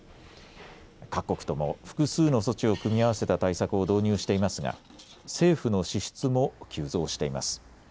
各国とも複数の措置を組み合わせた対策を導入していますが政府の支出も急増しています。